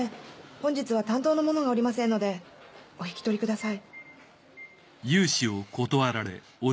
本日は担当の者がおりませんのでお引き取りください。